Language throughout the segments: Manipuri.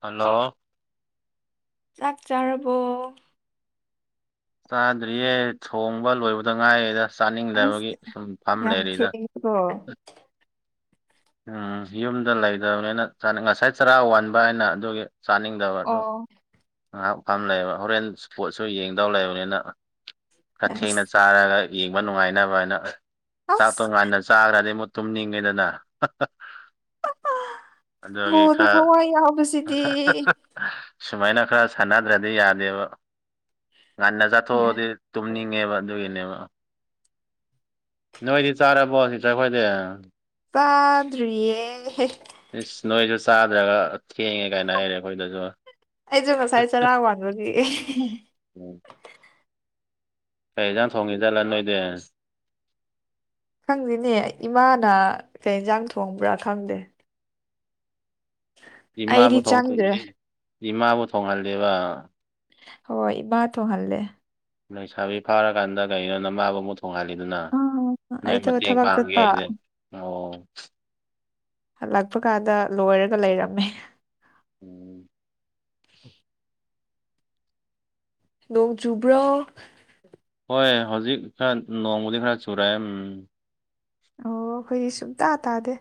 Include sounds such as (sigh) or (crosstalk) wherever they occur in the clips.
ꯍꯜꯂꯣ ꯑꯥꯛꯆꯔꯕꯣ ꯆꯥꯗ꯭ꯔꯤꯌꯦ ꯊꯣꯡꯕ ꯂꯣꯏꯕꯗ ꯉꯥꯏꯔꯤꯗ ꯆꯥꯅꯤꯡꯗꯕꯒꯤ ꯑꯁ ꯁꯨꯝ ꯐꯝ ꯌꯥꯝ ꯂꯩꯔꯤꯗ ꯊꯦꯡꯉꯦꯀꯣ ꯎꯝ ꯌꯨꯝꯗ ꯂꯩꯗꯕꯅꯤꯅ ꯆꯅꯤ ꯉꯁꯥꯏ ꯆꯔꯥ ꯋꯥꯟꯕ ꯑꯩꯅ ꯑꯗꯨꯒꯤ ꯆꯥꯅꯤꯡꯗꯕ ꯗꯨ ꯑꯣ ꯉꯥꯍꯥꯛ ꯐꯝ ꯂꯩꯕ ꯍꯣꯔꯦꯟ ꯁꯨ ꯕꫭꯜꯁꯨ ꯌꯦꯡꯗꯧ ꯂꯩꯕꯅꯤꯅ ꯈꯔ ꯊꯦꯡꯅ ꯑꯁ ꯆꯥꯔꯒ ꯌꯦꯡꯕ ꯅꯨꯡꯉꯥꯏꯅꯕꯥꯅ ꯆꯥꯛꯇꯣ ꯑꯁ ꯉꯟꯅ ꯆꯥꯒ꯭ꯔꯥꯗꯤ ꯑꯃꯨ ꯇꯨꯝꯅꯤꯡꯉꯦꯗꯅ ꯍꯥ ꯍꯥ ꯑꯗꯨꯒꯤ ꯕꯣꯜꯗ ꯈ꯭ꯔ ꯊꯋꯥꯏ ꯌꯥꯎꯕꯁꯤꯗꯤ (unintelligible) ꯁꯨꯃꯥꯏꯅ ꯈꯔ ꯁꯥꯟꯅꯗ꯭ꯔꯗꯤ ꯌꯥꯗꯦꯕ ꯉꯟꯅ ꯆꯥꯊꯣꯛꯑꯗꯤ ꯇꯨꯝꯅꯤꯡꯉꯦꯕ ꯑꯗꯨꯒꯤꯅꯦꯕ ꯅꯣꯏꯗꯤ ꯆꯥꯔꯕꯣ ꯁꯤꯁꯇꫪ ꯈꫭꯏꯗꯤ ꯆꯥꯗ꯭ꯔꯤꯌꯦ ꯍꯦ ꯏꯁ ꯅꯣꯏꯁꯨ ꯆꯥꯗ꯭ꯔꯒ ꯊꯦꯡꯉꯦ ꯀꯥꯏꯅ ꯍꯥꯏꯔꯦ ꯑꯩꯈꯣꯏꯗꯁꯨ ꯑꯩꯁꯨ ꯉꯁꯥꯏ ꯆꯔꯥ ꯋꯥꯟꯕꯒꯤ ꯑꯦꯍꯦ ꯍꯦꯍꯦ ꯎꯝ ꯀꯩ ꯑꯦꯖꯥꯡ ꯊꯣꯡꯉꯤꯖꯥꯠꯂ ꯅꯣꯏꯗꯤ ꯈꯪꯗꯦꯅꯦ ꯏꯃꯥꯅ ꯀꯩꯏꯟꯖꯥꯡ ꯊꯣꯡꯕ꯭ꯔ ꯈꯪꯗꯦ ꯏꯃꯥꯕꯨ ꯑꯩꯗꯤ ꯊꯣꯡ ꯆꯪꯗ꯭ꯔꯦ (unintelligible) ꯏꯃꯥꯕꯨ ꯊꯣꯡꯍꯜꯂꯦꯕ ꯍꯣꯏ ꯏꯃꯥ ꯊꯣꯡꯍꯜꯂꯦ ꯂꯩꯁꯥꯕꯤ ꯐꯥꯔꯀꯥꯟꯗ ꯀꯩꯅꯣ ꯅꯃꯥꯕꯨ ꯃꯨꯛ ꯊꫭ ꯇꯣꯡꯉꯥꯜꯂꯤꯗꯨꯅ ꯑꯥ ꯅꯣꯏ ꯑꯩꯗꯣ ꯃꯇꯦꯡ ꯊꯕꯛ ꯄꯥꯡꯒꯦ ꯆꯠꯄ ꯍꯥꯏꯒꯗꯦ ꯑꯣ ꯍꯂꯛꯄ ꯀꯥꯟꯗ ꯂꯣꯏꯔꯒ ꯂꯩꯔꯝꯃꯦ ꯎꯝ (unintelligible) ꯅꯣꯡ ꯆꯨꯕ꯭ꯔꯣ ꯍꯣꯏ ꯍꯧꯖꯤꯛ ꯈꯔ ꯅꯣꯡꯃꯗꯤꯡ ꯈꯔ ꯆꯨꯔꯛꯑꯦ ꯎꯝ ꯑꯣ ꯑꯩꯈꯣꯏꯗꯤ ꯁꯨꯝꯇꯥ ꯇꯥꯗꯦ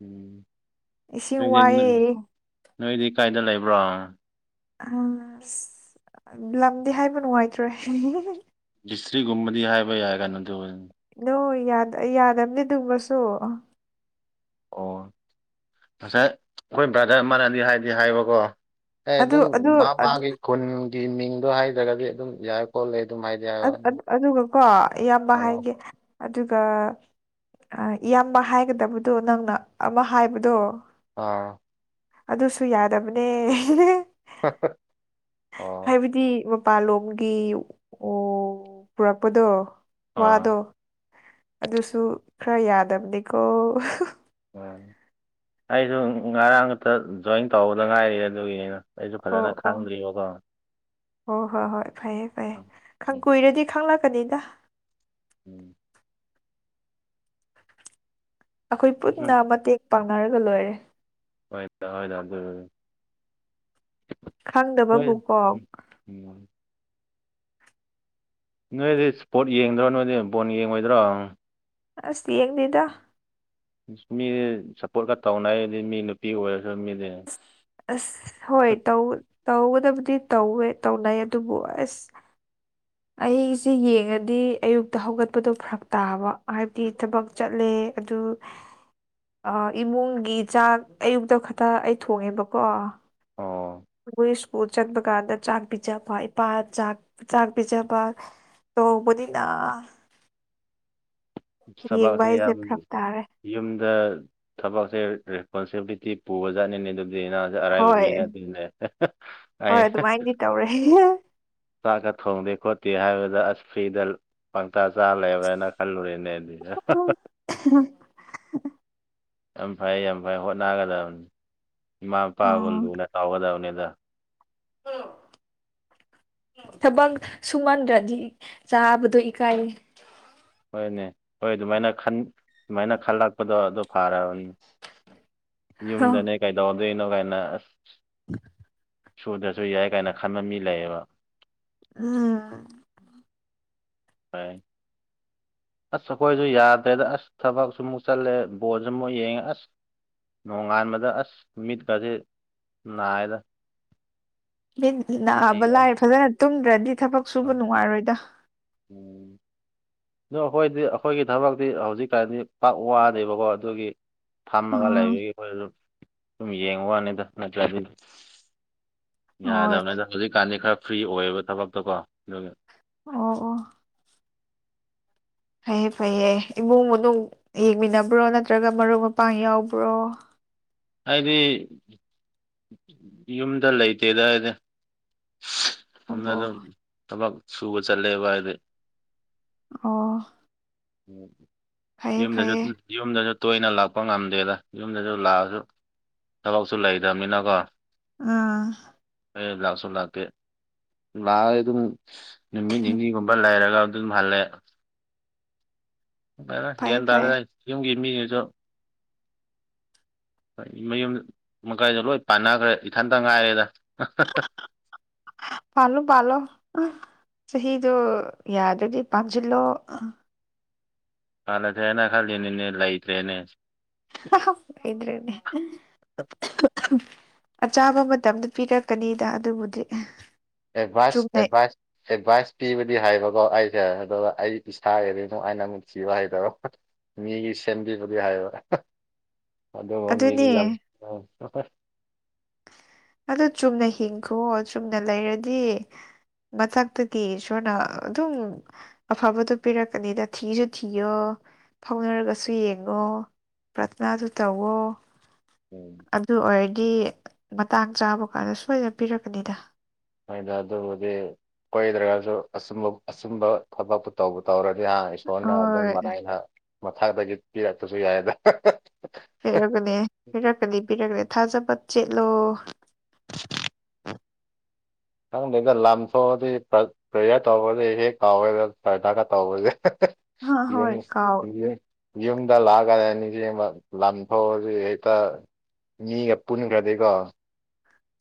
ꯎꯝ ꯏꯁꯤ ꯅꯣꯏꯗꯤ ꯋꯥꯑꯦ ꯅꯣꯏꯗꯤ ꯀꯥꯏꯗ ꯂꯩꯕ꯭ꯔꯣ ꯑ ꯑꯁ ꯂꯝꯗꯤ ꯍꯥꯏꯕ ꯅꯨꯡꯉꯥꯏꯇ꯭ꯔꯦ ꯗꯤꯁꯇ꯭ꯔꯤꯛꯒꯨꯝꯕꯗꯤ ꯍꯥꯏꯕ ꯌꯥꯏ ꯀꯅ ꯑꯗꯨ ꯑꯣ ꯌꯥꯗꯕꯅꯦ ꯑꯗꯨꯃꯁꯨ ꯑꯣ ꯉꯁꯥꯏ ꯑꯩꯈꯣꯏ ꯕ꯭ꯔꯥꯗꫪ ꯑꯃꯅꯗꯤ ꯍꯥꯏꯗꯤ ꯍꯥꯏꯕꯀꯣ ꯑꯦ ꯑꯗꯨ ꯑꯗꯨꯝ ꯑꯗꯨ ꯃꯥ ꯑꯗꯨ ꯃꯥꯒꯤ ꯈꯨꯟꯒꯤ ꯃꯤꯡꯗꯣ ꯍꯥꯏꯗ꯭ꯔꯒꯗꯤ ꯑꯗꯨꯝ ꯌꯥꯏ ꯈꫭꯠ ꯂꯦ ꯑꯗꯨꯒꯀꯣ ꯏꯌꯥꯝꯕ ꯑꯥ ꯍꯥꯏꯒꯦ ꯑꯗꯨꯒ ꯏꯌꯥꯝꯕ ꯍꯥꯏꯒꯗꯕꯗꯣ ꯅꯪꯅ ꯑꯃ ꯍꯥꯏꯕꯗꯣ ꯑꯥ ꯑꯗꯨꯁꯨ ꯌꯥꯗꯕꯅꯦ (unintelligible) ꯑꫭ ꯃꯄꯥꯥꯟꯂꯣꯝꯒꯤ ꯑꫭ ꯄꯨꯔꯛꯄꯗꯣ ꯑꯥ ꯋꯥꯗꯣ ꯑꯗꯨꯁꯨ ꯈꯔ ꯌꯥꯗꯕꯅꯤꯀꯣ ꯎꯝ ꯑꯩꯁꯨ ꯉꯔꯥꯡ ꯈꯛꯇ ꯖꯣꯏꯟ ꯇꯧꯕꯗ ꯉꯥꯏꯔꯤ ꯑꯗꯨꯒꯤꯅꯤꯅ ꯑꯩꯁꯨ ꯐꯖꯅ ꯈꯥꯡꯗ꯭ꯔꯤꯕꯀꯣ ꯍꯣꯏ ꯍꯣꯏ ꯍꯣꯏ ꯐꯩꯌꯦ ꯐꯩꯌꯦ ꯀꯨꯏꯔꯗꯤ ꯈꯪꯂꯛꯀꯅꯤꯗ ꯎꯝ ꯑꯩꯈꯣꯏ ꯄꯨꯟꯅ ꯃꯇꯦꯡ ꯄꯥꯡꯅꯔꯒ ꯂꯣꯏꯔꯦ ꯍꯣꯏꯗ ꯍꯗ ꯑꯗꯨ ꯈꯪꯗꯕ ꯍꯣꯏ ꯕꯨꯀꯣꯛ ꯎꯝ ꯎꯝ ꯅꯣꯏꯗꯤ ꯏꯁꯄꯣꯔꯠ ꯌꯦꯡꯗ꯭ꯔꯣ ꯅꯣꯏꯗꯤ ꯕꯣꯟ ꯌꯦꯡꯉꯣꯏꯗ꯭ꯔꯣ ꯑꯁ ꯌꯦꯡꯗꯤꯗ ꯃꯤꯗꯤ ꯁꯞꯄꯣꯔꯠꯀ ꯇꯧꯅꯩꯗꯤ ꯃꯤ ꯅꯨꯄꯤ ꯑꯣꯏꯔꯁꯨ ꯃꯤꯗꯤ ꯑꯁ ꯍꯣꯏ ꯇꯧ ꯇꯧꯗꯗꯤ ꯇꯧꯋꯦ ꯇꯧꯅꯩ ꯑꯗꯨꯕꯨ ꯑꯁ ꯑꯩꯁꯦ ꯌꯦꯡꯉꯗꯤ ꯑꯌꯨꯛꯇ ꯍꯧꯒꯠꯄꯗꯣ ꯐꯔꯛ ꯇꯥꯕ ꯍꯥꯏꯕꯗꯤ ꯊꯕꯛ ꯆꯠꯂꯦ ꯑꯗꯨ ꯏꯃꯨꯡꯒꯤ ꯆꯥꯛ ꯑꯌꯨꯛꯇ ꯈꯛꯇ ꯑꯩ ꯊꯣꯡꯉꯦꯕꯀꯣ ꯑꯣ ꯃꯈꯣꯏ ꯁ꯭ꯀꯨꯜ ꯆꯠꯕ ꯀꯥꯟꯗ ꯆꯥꯛ ꯄꯤꯖꯕ ꯏꯄꯥ ꯆꯥꯛ ꯆꯥꯛ ꯄꯤꯖꯕ ꯇꯧꯕꯅꯤꯅ (unintelligible) ꯊꯕꯛ ꯌꯦꯡꯕ ꯑꯁꯦ ꯍꯥꯏꯁꯦ ꯌꯥꯝ ꯐꯔꯛ ꯇꯥꯔꯦ ꯌꯨꯝꯗ ꯊꯕꯛꯁꯦ ꯔꯦꯁꯄꯣꯟꯁꯤꯕꯤꯂꯤꯇꯤ ꯄꯨꯕꯖꯥꯅꯤꯅꯦ ꯑꯗꯨ ꯑꯔꯥꯏꯕ ꯍꯣꯏ ꯃꯤꯅ ꯑꯗꯨꯅꯦ ꯍꯣꯏ ꯑꯗꯨꯃꯥꯏꯅꯗꯤ ꯇꯧꯔꯦ ꯆꯥꯛꯀ ꯊꯣꯡꯗꯦ ꯈꯣꯠꯇꯦ ꯍꯥꯏꯕꯗ ꯑꯁ ꯐ꯭ꯔꯤꯗ ꯄꯪꯇꯥ ꯆꯥ ꯂꯩꯕꯅ ꯈꯜꯂꯨꯨꯔꯦꯅꯦ ꯂꯩ ꯌꯥ ꯌꯥꯝ ꯐꯩ ꯌꯥꯝ ꯐꯩ ꯍꯣꯠꯅꯒꯗꯕꯅꯤ ꯏꯃꯥ ꯃꯄꯥꯕꯨ ꯑꯣ ꯂꯨꯅ ꯇꯧꯒꯗꯕꯅꯤꯗ (inaudible) ꯊꯕꯛ ꯁꯨꯍꯟꯗ꯭ꯔꯗꯤ ꯆꯥꯕꯗꯣ ꯏꯀꯥꯏꯌꯦ ꯍꯣꯏꯅꯦ ꯍꯣꯏ ꯑꯗꯨꯃꯥꯏꯅ ꯑꯗꯨꯃꯥꯏꯅ ꯈꯜꯂꯛꯄꯗꯣ ꯑꯗꯨ ꯐꯔꯕꯅꯦ ꯍ ꯌꯨꯝꯗꯅꯦ ꯀꯩꯗꯧꯗꯣꯏꯅꯣ ꯀꯥꯏꯅ ꯑꯁ (unintelligible) ꯁꯨꯗ꯭ꯔꯁꯨ ꯌꯥꯏ ꯀꯥꯏꯅ ꯈꯟꯕ ꯃꯤ ꯂꯩꯑꯕ ꯎꯝ ꯍꯣꯏ ꯑꯁ ꯑꯩꯈꯣꯏꯁꯨ ꯌꯥꯗ꯭ꯔꯦꯗ ꯑꯁ ꯊꯕꯛꯁꯨꯃꯨꯛ ꯆꯠꯂꯦ ꯕꯣꯔꯁꯨ ꯑꯃꯨꯛ ꯌꯦꯡꯉꯦ ꯑꯁ ꯅꯣꯡꯉꯥꯟꯕꯗ ꯑꯁ ꯅꯨ ꯃꯤꯠ ꯀꯁꯤꯦ ꯅꯥꯏꯗ ꯑꯩ ꯅꯥꯕ ꯑꯁ ꯂꯥꯏ ꯐꯖꯅ ꯇꯨꯝꯗ꯭ꯔꯗꯤ ꯊꯕꯛ ꯁꯨꯕ ꯅꯨꯡꯉꯥꯏꯔꯣꯏꯗ ꯑ ꯑꯩꯈꯣꯏꯗꯤ ꯑꯩꯈꯣꯏꯒꯤ ꯊꯕꯛꯇꯤ ꯍꯧꯖꯤꯛ ꯀꯥꯟꯗꯤ ꯄꯥꯛ ꯋꯥꯅꯦꯕꯀꯣ ꯑꯗꯨꯒꯤ ꯐꯝꯃꯒ ꯑꯥ ꯂꯩꯕꯒꯤ ꯑꯗꯨ ꯁꯝ ꯌꯦꯡꯉꯨ ꯋꯥꯅꯤꯗ ꯅꯠꯇ꯭ꯔ ꯑꯗꯨꯗꯤ ꯍꯣꯏ ꯌꯥꯗꯕꯅꯦ ꯑꯗ ꯍꯧꯖꯤꯛꯀꯥꯟꯗꯤ ꯈꯔ ꯐ꯭ꯔꯤ ꯑꯣꯏꯌꯦꯕ ꯊꯕꯛꯇꯣꯀꯣ ꯑꯗꯨꯒꯤ ꯑꯣ ꯑꯣ ꯐꯩꯌꯦ ꯐꯩꯌꯦ ꯏꯃꯨꯡ ꯃꯅꯨꯡ ꯌꯦꯡꯃꯤꯟꯅꯕ꯭ꯔꯣ ꯅꯠꯇ꯭ꯔꯒ ꯃꯔꯨꯞ ꯃꯄꯥꯡ ꯌꯥꯎꯕ꯭ꯔꯣ ꯍꯥꯏꯗꯤ ꯌꯨꯝꯗ ꯂꯩꯇꯦꯗ ꯑꯩꯗꯤ ꯑꯝ ꯑꯣ ꯑꯗꯨ ꯊꯕꯛ ꯁꯨꯕ ꯆꯠꯂꯦꯕ ꯍꯥꯏꯗꯤ ꯑꯣ ꯐꯩꯌꯦ ꯌꯨꯝꯗꯁꯨ ꯐꯩꯌꯦ ꯌꯨꯝꯗꯁꯨ ꯇꯣꯏꯅ ꯂꯥꯛꯄ ꯉꯝꯗꯦꯗ ꯌꯨꯝꯗꯁꯨ ꯂꯥꯛꯑꯁꯨ ꯊꯕꯛꯁꯨ ꯂꯩꯗꯅꯤꯅꯀꯣ ꯑꯥ ꯑꯩ ꯂꯥꯛꯁꯨ ꯂꯥꯛꯇꯦ ꯂꯥꯛꯑ ꯑꯗꯨꯝ ꯅꯨꯃꯤꯠ ꯅꯤꯅꯤꯒꯨꯝꯕ ꯂꯩꯔꯒ ꯐꯜꯦ ꯐꯩꯌꯦ ꯐꯩꯌꯦ ꯂꯁꯤꯒꯦꯗꯗꯥ ꯌꯨꯝꯒꯤ ꯃꯤꯅꯤꯁꯨꯣ ꯍꯣꯏ ꯃꯌꯨꯝ ꯃꯀꯥꯏꯗꯣ ꯂꯣꯏ ꯄꯥꯟꯅꯈ꯭ꯔꯦ ꯏꯊꯟꯇ ꯉꯥꯏꯔꯦꯗ ꯐꯂꯨ ꯄꯂꯣ ꯑ ꯆꯍꯤꯗꯣ ꯌꯥꯗ꯭ꯔꯗꯤ ꯄꯥꯟꯁꯤꯜꯂꯣ ꯀꯂꯦ ꯊꯦꯅ ꯈꯅꯤ ꯂꯥꯏꯇ꯭ꯔꯦꯅꯦ ꯑꯗ꯭ꯔꯦꯅꯦ ꯑꯆꯥꯥꯕ ꯃꯇꯝꯗ ꯄꯤꯔꯛꯀꯅꯤꯗ ꯑꯗꯨꯕꯨꯗꯤ ꯑꯦꯗꯚꯥꯏꯁ ꯆꯨꯝꯅꯩ ꯑꯦꯚꯥꯏꯁ ꯑꯦꯗꯚꯥꯏꯁ ꯄꯤꯕꯗꯤ ꯍꯥꯏꯕꯀꯣ ꯑꯩ ꯑꯗꯨꯒ ꯑꯩ ꯏꯁꯥꯒꯤꯔꯤꯅꯅꯨꯡ ꯑꯥꯏꯅ ꯨꯁꯤꯕ ꯍꯥꯏꯩꯗꯔꯣ ꯃꯤꯒꯤ ꯁꯦꯝꯕꯤꯕꯗꯤ ꯍꯥꯏꯕ ꯑꯗꯨꯗ ꯃꯝꯃꯤꯗꯤ ꯌꯥ ꯑꯗꯨꯅꯦ ꯑꯗꯨ ꯆꯨꯝꯅ ꯍꯤꯡꯈꯣ ꯆꯨꯝꯅ ꯂꯩꯔꯗꯤ ꯃꯊꯛꯇꯗꯤ ꯏꯁꯣꯔꯅ ꯑꯗꯨꯝ ꯑꯐꯕꯗꯣ ꯄꯤꯔꯛꯀꯅꯤꯗ ꯊꯤꯁꯨ ꯊꯤꯌꯣ ꯐꯥꯎꯅꯔꯒꯁꯨ ꯌꯦꯡꯉꯣ ꯄ꯭ꯔꯊꯅꯥꯁꯨ ꯇꯧꯋꯣ ꯑꯗꯨ ꯑꯣꯏꯔꯗꯤ ꯃꯇꯥꯡ ꯆꯥꯕ ꯀꯥꯟꯗ ꯁꯣꯏꯗꯅ ꯄꯤꯔꯛꯀꯅꯤꯗ ꯁꯣꯏꯗ ꯑꯗꯨꯕꯨꯗꯤ ꯀꯣꯏꯗ꯭ꯔꯒꯁꯨ ꯑꯆꯨꯝꯕ ꯑꯆꯨꯝꯕ ꯊꯕꯛꯇꯨ ꯇꯧꯕ ꯇꯧꯔꯒꯦ ꯑꯗꯨꯗꯤ ꯏꯁꯣꯔꯅ ꯑꯗꯨꯝ ꯍꯣꯏ ꯃꯔꯥꯏꯅ ꯃꯊꯛꯇꯗꯒꯤ ꯄꯤꯔꯛꯇꯁꯨ ꯌꯥꯏꯗ ꯐꯔꯀꯅꯤ ꯐꯔꯛꯅꯤ ꯐꯔꯗ ꯊꯥꯖꯕ ꯆꯦꯠꯂꯣ ꯈꯪꯗꯦꯗ ꯂꯝ ꯁꯣꯛꯑꯗꯤ ꯄ꯭ꯔꯦꯌꯔ ꯇꯧꯕꯗꯤ ꯍꯦꯛ ꯀꯥꯎꯋꯦ ꯊꯥꯛꯀ ꯇꯧꯕꯁꯦ ꯍ ꯍꯣꯏ ꯅꯤꯕꯤꯅꯤ ꯀꯥꯎ ꯌꯨꯝꯗ ꯂꯥꯛꯑꯀꯗ ꯑꯅꯤꯁꯤ ꯂꯊꯣꯛꯑꯁꯤ ꯍꯦꯛꯇ ꯃꯤꯒ ꯄꯨꯟꯈ꯭ꯔꯗꯦꯒ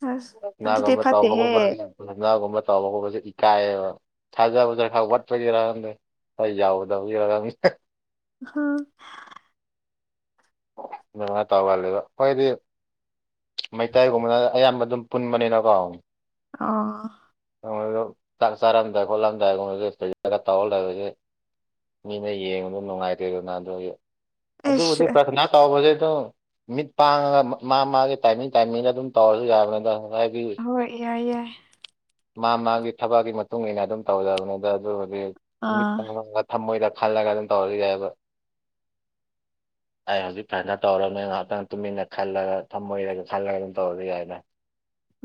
ꯑꯁ ꯑꯗꯨꯗꯤ ꯐꯠꯇꯦꯍꯦ ꯅꯅꯥꯒꯒ ꯅꯅꯥ ꯇꯕ ꯈꯣꯠꯁꯦ ꯏꯀꯥꯏꯌꯦꯕ ꯊꯥꯖꯕꯖ ꯈꯔ ꯋꯥꯠꯄꯗꯤꯔꯗꯦ ꯑꯩ ꯌꯥꯎꯗꯒꯃꯤ ꯑꯝ ꯑꯗꯨꯃꯥꯏ ꯇꯧꯒꯜꯂꯦꯕ ꯑꯈꯣꯏꯗꯤ ꯃꯩꯇꯩꯒꯨꯝꯕꯅ ꯑꯌꯥꯝꯕꯗꯨꯝ ꯄꯨꯟꯕꯅꯤꯅꯀꯣ ꯑ (unintelligible) ꯆꯥꯛ ꯆꯥꯔꯝꯗꯥꯏ ꯈꯣꯠꯂꯝꯗꯥꯏꯒꯨꯝꯕꯖꯨ (unintelligible) ꯇꯧꯔ ꯂꯩꯕꯒꯤ ꯃꯤꯅ ꯌꯦꯡꯕꯗ ꯅꯨꯡꯉꯥꯏꯇꯦꯗꯅ ꯑꯗꯨꯒꯤ꯫ ꯑꯩꯁ ꯇꯧꯕꯖꯦ ꯑꯗꯨꯝ ꯃꯤꯠ ꯄꯥꯡꯉꯒ ꯃꯥ-ꯃꯥꯒꯤ ꯇꯥꯏꯃꯤꯡ-ꯇꯥꯏꯃꯤꯡꯗ ꯑꯗꯨꯝ ꯇꯧꯔꯖꯨ ꯌꯥꯕꯅꯤꯗ꯫ ꯍꯥꯏꯗꯤ ꯍꯣꯏ ꯌꯥꯏ-ꯌꯥꯏ ꯃꯥ-ꯃꯥꯒꯤ ꯊꯕꯛꯀꯤ ꯃꯇꯨꯡ ꯏꯟꯅ ꯑꯗꯨꯝ ꯇꯧꯖꯕꯅꯤꯗ ꯑꯗꯨꯕꯨꯗꯤ ꯃꯤꯠ ꯑꯥ ꯄꯥꯡꯉꯒ ꯊꯝꯃꯣꯏꯗ ꯈꯜꯂꯒ ꯑꯗꯨꯝ ꯇꯧꯔꯖꯨ ꯌꯥꯏꯕ꯫ ꯑꯩ ꯍꯧꯖꯤꯛ ꯐꯖꯅ ꯇꯧꯔꯕꯅꯤ ꯉꯍꯥꯛꯇꯪ ꯇꯨꯃꯤꯟꯅ ꯈꯜꯂꯒ ꯊꯝꯃꯣꯏꯗꯒ ꯈꯜꯂꯒ ꯑꯗꯨꯝ ꯇꯧꯔꯖꯨ ꯌꯥꯏꯗꯥ꯫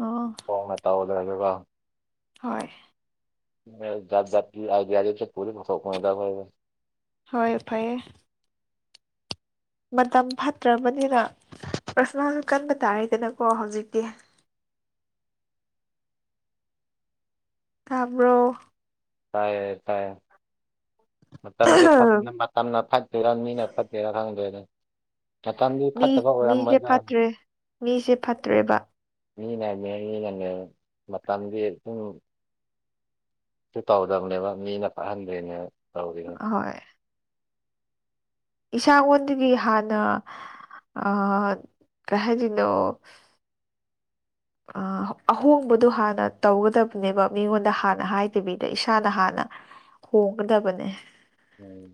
ꯑꯣ ꯐꯣꯡꯅ ꯇꯧꯗ꯭ꯔꯖꯨꯀꯣ ꯍꯣꯏ ꯃꯦꯜ ꯖꯥꯠ-ꯖꯥꯠꯀꯤ ꯑꯥꯏꯗꯤꯌꯥꯗꯤ ꯆꯨꯝ ꯄꯨꯜꯂꯤꯡ ꯑꯆꯧꯕꯅꯤꯗꯥ ꯑꯈꯣꯏꯖꯦ ꯍꯣꯏ ꯐꯩꯌꯦ ꯃꯇꯝ ꯐꯠꯇ꯭ꯔꯕꯅꯤꯅ ꯄ꯭ꯔꯁꯣꯅꯥꯖꯨ ꯀꯟꯕ ꯇꯥꯔꯗꯅꯀꯣ ꯍꯧꯖꯤꯛꯇꯤ꯫ ꯇꯥꯕ꯭ꯔꯣ ꯇꯥꯏꯌꯦ-ꯇꯥꯏꯌꯦ ꯃꯇꯝꯖꯦ ꯐ-ꯃꯇꯝꯅ ꯐꯠꯇ꯭ꯔꯤꯔꯥ ꯃꯤꯅ ꯐꯠꯇ꯭ꯔꯤꯔꯥ ꯈꯪꯗ꯭ꯔꯦꯗꯥ꯫ ꯃꯇꯝꯗꯤ ꯃꯤ ꯐꯠꯇꯕ ꯃꯤꯁꯦ ꯑꯣꯏꯔꯝꯃꯣꯏꯗꯥ꯫ ꯐꯠꯇ꯭ꯔꯦ ꯃꯤꯁꯦ ꯐꯠꯇ꯭ꯔꯦꯕ ꯃꯤꯅꯅꯦ-ꯃꯤꯅꯅꯦꯕ ꯃꯇꯝꯗꯤ ꯁꯨꯝ ꯁꯨ ꯇꯧꯗꯕꯅꯦꯕ ꯃꯤꯅ ꯐꯠꯍꯟꯗ꯭ꯔꯤꯅꯦꯕ ꯇꯧꯔꯤꯅꯦ꯫ ꯏꯁꯥꯑꯣꯟꯗꯒꯤ ꯍꯥꯟꯅ ꯑ-ꯀꯩꯍꯥꯏꯗꯣꯏꯅꯣ ꯑꯁ ꯑ-ꯑꯍꯣꯡꯕꯗꯣ ꯍꯥꯟꯅ ꯇꯧꯒꯗꯕꯅꯦꯕ ꯃꯤꯉꯣꯟꯗ ꯍꯥꯟꯅ ꯍꯥꯏꯗꯕꯤꯗ ꯏꯁꯥꯗ ꯍꯥꯟꯅ (inaudible) ꯍꯣꯡꯒꯗꯕꯅꯦ꯫ ꯎꯝ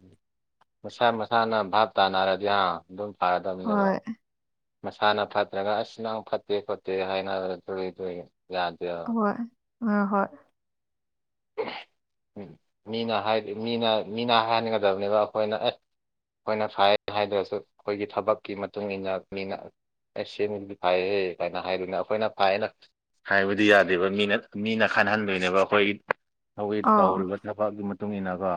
ꯃꯁꯥ-ꯃꯁꯥꯅ ꯚꯥꯞ ꯇꯥꯅꯔꯗꯤ ꯍꯥ-ꯑꯗꯨꯝ ꯐꯔꯗꯕꯅꯦꯕ꯫ ꯍꯣꯏ ꯃꯁꯥꯅ ꯐꯠꯇ꯭ꯔꯒ ꯑꯁ ꯅꯪ ꯐꯠꯇꯦ-ꯈꯣꯠꯇꯦ ꯍꯥꯏꯅꯔꯒ ꯂꯩꯕ ꯌꯥꯗꯦꯕ꯫ ꯍꯣꯏ ꯑ ꯍꯣꯏ ꯃꯤꯅ ꯍꯥꯏ ꯃꯤꯅ ꯍꯥꯏꯟꯒꯗꯕꯅꯦꯕ ꯑꯈꯣꯏꯅ ꯑꯦ ꯑꯩꯈꯣꯏꯅ ꯐꯥꯏ ꯍꯥꯏꯗ꯭ꯔꯁꯨ ꯑꯩꯈꯣꯏꯒꯤ ꯊꯕꯛꯀꯤ ꯃꯇꯨꯡ ꯏꯟꯅ ꯃꯤꯅ ꯑꯁ ꯁꯤ ꯃꯤꯖꯤꯗꯤ ꯐꯩꯍꯦ ꯀꯥꯏꯅ ꯍꯥꯏꯗꯣꯏꯅꯦ ꯑꯩꯈꯣꯏꯅ ꯐꯥꯏꯌꯦꯅ ꯍꯥꯏꯕꯗꯤ ꯌꯥꯗꯦꯕ ꯃꯤꯅ-ꯃꯤꯅ ꯍꯥꯏꯅꯟꯍꯟꯗꯣꯏꯅꯦꯕ ꯑꯩꯈꯣꯏꯒꯤ ꯍꯧꯖꯤꯛ ꯑꯥꯎ ꯇꯧꯔꯤꯕ ꯊꯕꯛꯀꯤ ꯃꯇꯨꯡ ꯏꯟꯅꯀꯣ꯫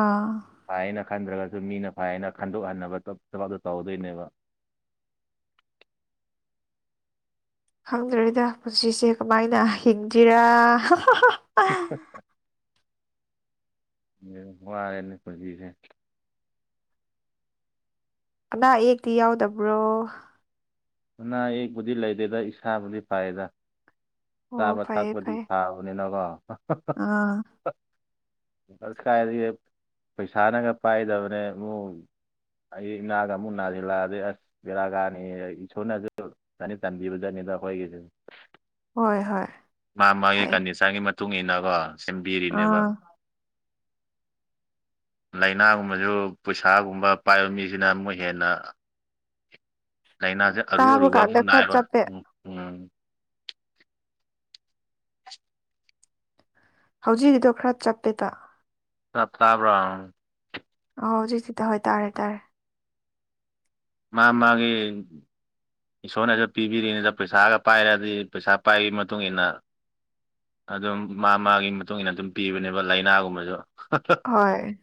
ꯑꯥ ꯐꯩꯅ ꯈꯟꯗ꯭ꯔꯒꯁꯨ ꯃꯤꯅ ꯐꯩꯌꯦꯅ ꯈꯟꯗꯣꯛꯍꯟꯅꯕ ꯊꯕꯛꯇꯣ ꯇꯧꯗꯣꯏꯅꯦꯕ꯫ (inaudible) ꯈꯪꯗ꯭ꯔꯦꯗꯥ ꯄꯨꯟꯁꯤꯁꯦ ꯀꯃꯥꯏꯅ ꯍꯤꯡꯖꯤꯔꯥ ꯎꯝ ꯎꯝ ꯌꯥꯝ ꯋꯥꯔꯦꯅꯦ ꯄꯨꯟꯁꯤꯁꯦ ꯑꯅꯥ-ꯑꯌꯦꯛꯇꯤ ꯌꯥꯎꯗꯕ꯭ꯔꯣ꯫ ꯑꯅꯥ-ꯑꯌꯦꯛꯄꯨꯗꯤ ꯂꯩꯇꯦꯗ ꯏꯁꯥꯕꯨꯗꯤ ꯐꯥꯏꯌꯦꯗ꯫ ꯑꯣ ꯆꯥꯕ ꯐꯩꯌꯦ ꯊꯛꯄꯗꯤ ꯐꯩꯌꯦ ꯐꯕꯅꯤꯅꯀꯣ꯫ ꯑꯥ ꯑꯁ ꯀꯥꯏꯗꯒꯤ ꯄꯩꯁꯥꯅꯒ ꯄꯥꯏꯗꯕꯅꯦ ꯃꯨꯛ ꯑꯩ ꯅꯥꯒꯃꯨꯛꯅꯥꯁꯤꯜꯂꯗꯤ ꯑꯁ ꯕꯦꯔꯥ ꯀꯥꯅꯤꯍꯦ ꯑꯩ ꯁꯣꯔꯅꯖꯨ ꯆꯥꯟꯗꯤ ꯆꯥꯟꯕꯤꯕꯖꯥꯠꯅꯤꯗ ꯑꯈꯣꯏꯒꯤꯖꯨ꯫ ꯍꯣꯏ ꯍꯣꯏ ꯃꯥ ꯃꯥꯒꯤ ꯐꯩ ꯀꯟꯗꯤꯁꯔꯒꯤ ꯃꯇꯨꯡ ꯏ ꯃꯇꯨꯡꯏꯟꯅꯀꯣ ꯁꯦꯝꯕꯤꯔꯤꯅꯦꯕ ꯑꯥ (unintelligible) ꯂꯥꯏꯅꯥꯒꯨꯝꯕꯁꯨ ꯄꯩꯁꯥꯒꯨꯝꯕ ꯄꯥꯏꯕ ꯃꯤꯁꯤꯅ ꯑꯃꯨꯛ ꯍꯦꯟꯅ ꯂꯥꯏꯅꯥꯁꯦ ꯑꯔꯨ ꯇꯥꯕ ꯑꯔꯨꯕ ꯀꯥꯟꯗ ꯑꯃꯨꯛ ꯈꯔ ꯍꯥꯏꯔꯣꯏ ꯆꯞꯄꯦ ꯎꯝ ꯎꯝ ꯍꯧꯖꯤꯛꯀꯤꯗꯣ ꯈꯔ ꯆꯞꯄꯦꯗ ꯇꯥ ꯇꯥꯕꯔꯣ ꯑꯣ ꯍꯧꯖꯤꯁꯤꯗ ꯍꯣꯏ ꯇꯥꯔꯦ ꯇꯥꯔꯦ ꯃꯥ ꯃꯥꯒꯤ ꯏꯁꯣꯔꯅꯁꯨ ꯄꯤꯕꯤꯔꯤꯅꯤꯗ ꯄꯩꯁꯥꯒ ꯄꯥꯏꯔꯗꯤ ꯄꯩꯁꯥ ꯄꯥꯏꯕꯒꯤ ꯃꯇꯨꯡ ꯏꯟꯅ ꯑꯗꯨꯝ ꯃꯥ ꯃꯥꯒꯤ ꯃꯇꯨꯡ ꯏꯟꯅ ꯑꯗꯨꯝ ꯄꯤꯕꯅꯦꯕ ꯂꯥꯏꯅꯥꯒꯨꯝꯕꯁꯨ ꯍꯣꯏ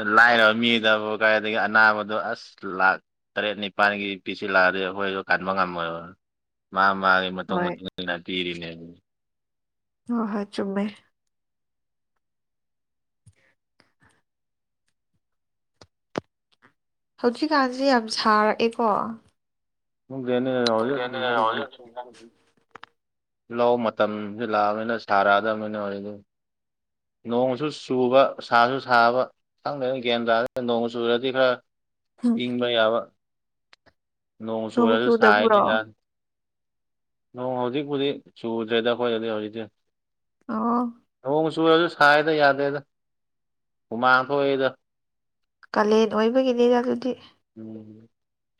ꯑ ꯂꯥꯏꯔꯕ ꯃꯤꯗꯕꯨ ꯀꯥꯏꯗꯒꯤ ꯑꯅꯥꯕꯗꯨ ꯑꯁ ꯂꯥꯛ ꯇꯔꯦꯠ ꯅꯤꯄꯥꯜꯒꯤ ꯄꯤꯁꯤ ꯂꯥꯛꯑꯗꯤ ꯑꯩꯈꯣꯏꯗꯣ ꯀꯟꯕ ꯉꯝꯃꯣꯏ ꯃꯥ ꯃꯥꯒꯤ ꯃꯇꯨꯡ ꯍꯣꯏ ꯃꯇꯨꯡ ꯏꯟꯅ ꯇꯤꯔꯤꯅꯦꯅꯤ ꯑ ꯍꯣꯏ ꯆꯨꯝꯃꯦ ꯍꯧꯖꯤꯛꯀꯥꯟꯁꯦ ꯌꯥꯝ ꯁꯥꯔꯛꯑꯦꯀꯣ ꯅꯤ ꯂꯧ ꯃꯇꯝꯁꯤ ꯂꯥꯛꯑꯕꯅꯤꯅ ꯁꯥꯔꯛꯑꯗꯕꯅꯤꯅ ꯍꯧꯗ ꯅꯣꯡꯁꯨ ꯆꯨꯕ ꯁꯥꯁꯨ ꯁꯥꯕ ꯁꯪꯗꯅ ꯒꯟ ꯇꯥꯗꯅ ꯅꯣꯡ ꯆꯨꯔꯗꯤ ꯈꯔ ꯏꯕ ꯌꯥꯕ ꯅꯣꯡ ꯁꯂꯁꯨ ꯁꯥꯏꯅ ꯌꯥ ꯅ ꯍꯧꯖꯤꯛꯄꯨꯗꯤ ꯆꯨꯗ꯭ꯔꯦꯗ ꯑꯩ ꯈꯈꯣꯏꯗꯗꯤ ꯍꯧꯖꯤꯛꯇꯤ ꯑ ꯅꯣꯡ ꯆꯨꯔꯁꯨ ꯁꯥꯏꯗ ꯌꯥꯗꯦꯗ ꯍꯨꯃꯥꯡ ꯊꯣꯛꯏꯗ ꯀꯥꯂꯦꯟ ꯑꯣꯏꯕꯒꯤꯅꯤꯗ ꯑꯗꯨꯗꯤ ꯎꯝ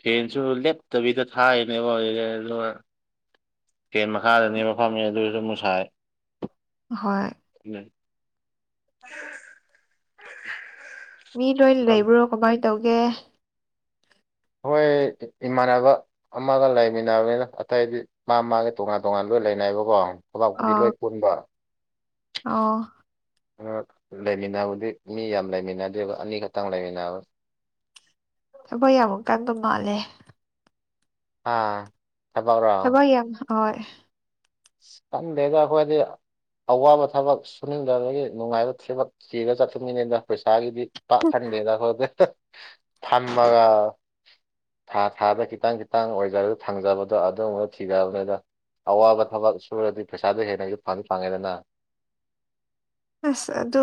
ꯐꯦꯟꯁꯨ ꯂꯦꯞꯇꯕꯤꯗ ꯊꯥꯏꯅꯦꯕ (unintelligible) ꯐꯦꯟ ꯃꯈꯥꯗꯅꯦꯕ ꯐꯝꯃꯦ ꯑꯗꯨꯏꯁꯨ ꯑꯃꯨꯛ ꯁꯥꯏ ꯍꯣꯏ (unintelligible) ꯃꯤ ꯂꯣꯏ ꯂꯩꯕ꯭ꯔꯣ ꯀꯃꯥꯏꯅ ꯇꯧꯒꯦ ꯍꯣꯏ ꯏꯃꯥꯟꯅꯕ ꯑꯃꯒ ꯂꯩꯃꯤꯟꯅꯕꯅꯤꯅ ꯑꯇꯩꯗꯤ ꯃꯥ ꯃꯥꯒꯤ ꯇꯣꯉꯥꯟ ꯇꯣꯉꯥꯟꯕ ꯂꯣꯏ ꯂꯩꯅꯕꯀꯣ ꯊꯕꯥꯛꯄꯨꯗꯤ ꯑꯥ ꯂꯣꯏ ꯄꯨꯟꯕ ꯑꯣ ꯂꯩꯃꯤꯟꯅꯕꯗꯤ ꯃꯤ ꯌꯥꯝ ꯂꯩꯃꯤꯟꯅꯗꯦꯕ ꯑꯅꯤꯈꯛꯇꯪ ꯂꯩꯃꯤꯟꯅꯕ ꯊꯕꯛ ꯌꯥꯝ ꯀꯟꯕ ꯃꯥꯜꯂꯦ ꯑꯥ ꯊꯕꯛꯔꯣ ꯊꯕꯛ ꯌꯥꯝ ꯍꯣꯏ ꯈꯪꯗꯦꯗ ꯈꯣꯏꯗꯤ ꯑꯋꯥꯕ ꯊꯕꯛ ꯁꯨꯅꯤꯡꯗꯕꯒꯤ ꯅꯨꯡꯉꯥꯏꯕ ꯊꯤꯕꯛ ꯊꯤꯔꯒ ꯆꯠꯄ ꯃꯤꯅꯤꯅ ꯄꯩꯁꯥꯒꯤꯗꯤ ꯄꯛ ꯈꯟꯗꯦꯗꯥ (unintelligible) ꯐꯝꯃꯒꯥ ꯊꯥ ꯊꯥꯗ ꯈꯤꯇꯪ ꯈꯤꯇꯪ ꯑꯣꯏꯖꯔꯒ ꯊꯪꯖꯕꯗꯣ (unintelligible) ꯑꯋꯥꯕ ꯊꯕꯛ ꯁꯨꯔꯗꯤ ꯄꯩꯁꯥꯗꯣ ꯍꯦꯟꯅ ꯑꯩ ꯐꯪꯗꯤ ꯐꯪꯉꯦꯗꯅ ꯑꯁ ꯑꯗꯨ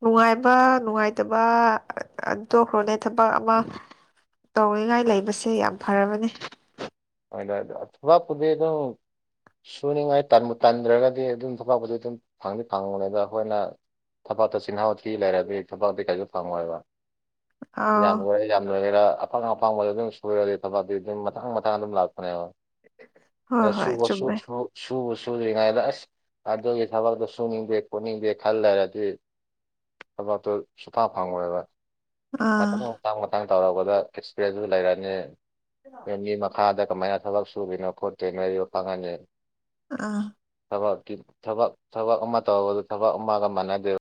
ꯅꯨꯡꯉꯥꯏꯕ ꯅꯨꯡꯉꯥꯏꯇꯕ ꯑꯗꯨ ꯇꯣꯛꯈ꯭ꯔꯣꯅꯦ ꯊꯕꯛ ꯑꯃ ꯇꯧꯅꯤꯡꯉꯥꯏ ꯂꯩꯕꯁꯦ ꯌꯥꯝ ꯐꯔꯕꯅꯤ (unintelligible) ꯊꯕꯛꯄꯨꯗꯤ ꯑꯗꯨꯝ ꯁꯨꯅꯤꯡꯉꯥꯏ ꯇꯟꯕꯨ ꯇꯟꯗ꯭ꯔꯒꯗꯤ ꯑꯗꯨꯝ ꯊꯥꯕꯛꯄꯨꯗꯤ ꯑꯗꯨꯝ ꯐꯪꯗꯤ ꯐꯪꯕꯅꯤꯗ ꯑꯩꯈꯣꯏꯅ ꯊꯕꯥꯛꯇ ꯆꯤꯍꯥꯎ ꯊꯤ ꯂꯩꯔꯗꯤ ꯊꯕꯛꯇꯤ ꯀꯥꯏꯁꯨ ꯐꯪꯉꯣꯏꯕ ꯑꯥ ꯌꯥꯝ ꯂꯣꯏꯔꯦ ꯌꯥꯝ ꯂꯣꯏꯔꯦꯔꯥ ꯑꯐꯪ ꯑꯐꯪꯕꯗ ꯑꯗꯨꯝ ꯁꯣꯏꯔꯗꯤ ꯊꯕꯛ ꯑꯗꯨꯗꯤ ꯑꯗꯨꯝ ꯃꯊꯥꯡꯊ ꯊꯕꯥꯛ ꯑꯗꯨꯝ ꯂꯥꯛꯄꯅꯦꯕ ꯍꯣꯏ ꯍꯣꯏ ꯆꯨꯝꯃꯦ ꯁꯨꯗ꯭ꯔꯤꯉꯩꯗ ꯑꯁ ꯑꯗꯨꯒꯤ ꯊꯕꯛꯇꯣ ꯁꯨꯅꯤꯡꯗꯦ ꯈꯣꯠꯅꯤꯡꯗꯦ ꯈꯜꯂꯩꯔ꯭ꯗꯤ ꯊꯕꯛ ꯇꯣ ꯁꯨꯐꯥ ꯐꯥꯡꯉꯣꯏꯕ ꯑꯥ ꯃꯊꯪ ꯃꯊꯥꯡ ꯃꯊꯥꯡ ꯇꯧꯔꯛꯄꯗ ꯑꯦꯛꯁꯄꯤꯔꯦꯟꯁꯁꯨ ꯂꯩꯔꯅꯤ ꯃꯤ ꯑꯥꯗ ꯀꯃꯥꯏꯅ ꯊꯕꯛ ꯁꯨꯗꯣꯏꯅꯣ ꯈꯣꯠꯇꯣꯏꯅꯣꯗꯣ ꯈꯪꯉꯅꯤ ꯑꯥ ꯊꯕꯛ ꯊꯕꯛ ꯊꯕꯛ ꯑꯃ ꯇꯧꯒꯗ ꯊꯕꯛ ꯑꯃꯒ ꯃꯥꯟꯅꯗꯦꯕ